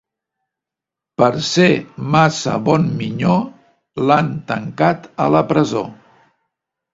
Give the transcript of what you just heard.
Per ser massa bon minyó l'han tancat a la presó.